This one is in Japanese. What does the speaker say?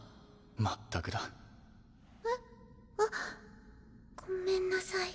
まったくだ。えっ？あっごめんなさい。